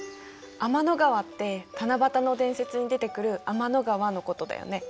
天の川って七夕の伝説に出てくる天の川のことだよね。